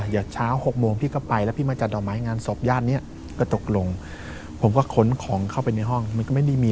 เดี๋ยวเช้า๖โมงนางพี่ก็กลับไป